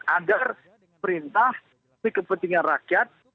agar perintah kepentingan rakyat